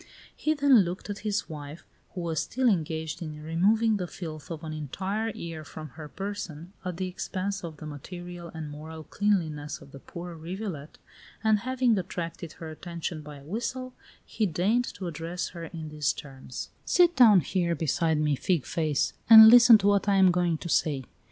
He then looked at his wife, who was still engaged in removing the filth of an entire year from her person, at the expense of the material and moral cleanliness of the poor rivulet, and having attracted her attention by a whistle, he deigned to address her in these terms: "Sit down here beside me, fig face, and listen to what I am going to say.